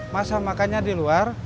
masa makannya di luar